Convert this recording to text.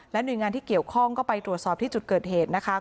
หน่วยงานที่เกี่ยวข้องก็ไปตรวจสอบที่จุดเกิดเหตุนะคะ